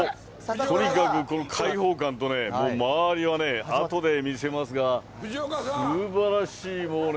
とにかくこの開放感とね、もう周りはね、あとで見せますが、すばらしいもうね。